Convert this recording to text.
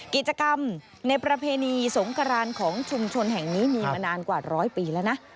กิจกรรมในประเพณีสงกรานของชุมชนแห่งนี้มีมานานกว่าร้อยปีแล้วนะ